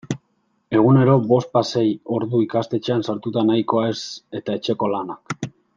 Egunero bospasei ordu ikastetxean sartuta nahikoa ez eta etxeko lanak.